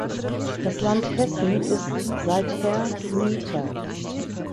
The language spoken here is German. Das Land Hessen ist seither Mieter.